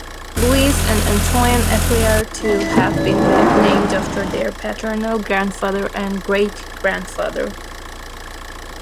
Louis and Antoine appear to have been named after their paternal grandfather and great-grandfather.